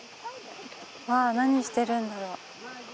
わあ何してるんだろう？